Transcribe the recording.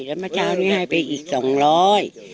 แล้วมันไม่ให้ไปอีกสองร้อย